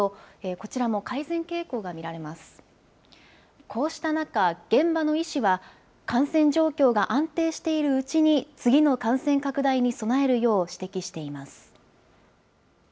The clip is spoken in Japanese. こうした中、現場の医師は、感染状況が安定しているうちに、次の感染拡大に備えるよう指摘しています。